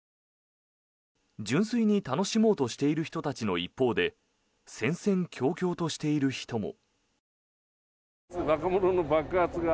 純粋に楽しもうとしている人たちの一方で戦々恐々としている人も。